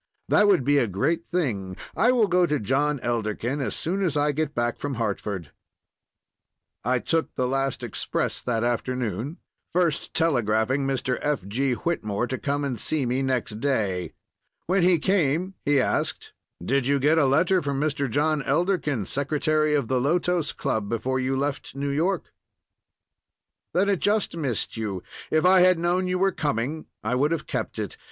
That would be a great thing; I will go to John Elderkin as soon as I get back from Hartford." I took the last express that afternoon, first telegraphing Mr. F. G. Whitmore to come and see me next day. When he came he asked: "Did you get a letter from Mr. John Elderkin, secretary of the Lotos Club, before you left New York?" "Then it just missed you. If I had known you were coming I would have kept it.